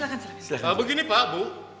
kalau begini pak bu